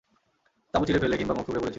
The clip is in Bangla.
তাঁবু ছিড়ে ফেলে কিংবা মুখ থুবড়ে পড়েছিল।